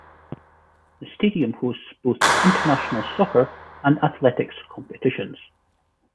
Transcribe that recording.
The stadium hosts both international soccer and athletics competitions.